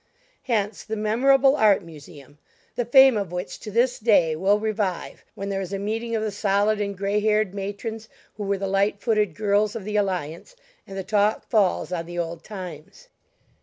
Hence the memorable Art Museum, the fame of which to this day will revive, when there is a meeting of the solid and gray haired matrons who were the light footed girls of the Alliance, and the talk falls on the old times.